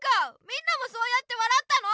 みんなもそうやってわらったの！